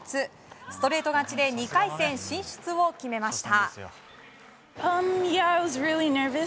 ストレート勝ちで２回戦進出を決めました。